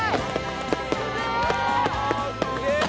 すげえ！